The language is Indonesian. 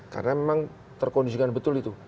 karena memang terkondisikan betul itu